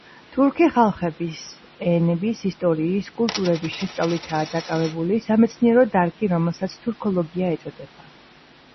თურქი ხალხების ენების, ისტორიის, კულტურების შესწავლითაა დაკავებული სამეცნიერო დარგი, რომელსაც თურქოლოგია ეწოდება.